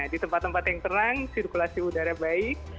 di tempat tempat yang terang sirkulasi udara baik